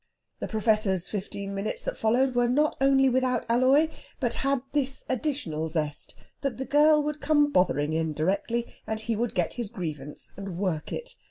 The Professor's fifteen minutes that followed were not only without alloy, but had this additional zest that that girl would come bothering in directly, and he would get his grievance, and work it.